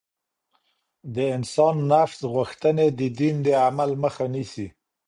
د انسان نفس غوښتنې د دين د عمل مخه نيسي.